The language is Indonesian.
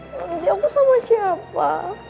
nanti aku sama siapa